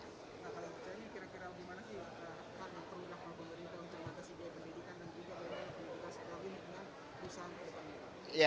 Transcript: nah kalau begitu kira kira bagaimana sih para pemerintah pemerintah untuk mengatasi biaya pendidikan dan juga pemerintah sekaligus dengan usaha pendidikan